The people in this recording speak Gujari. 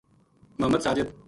محمد ساجد